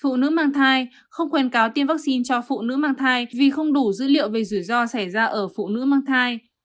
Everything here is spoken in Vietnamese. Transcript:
phụ nữ mang thai không khuyên cáo tiêm vaccine cho phụ nữ mang thai vì không đủ dữ liệu về rủi ro xảy ra ở phụ nữ mang thai